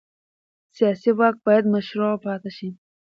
سیاسي واک باید مشروع پاتې شي